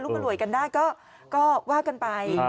อร่วยกันได้ก็ว่ากันไป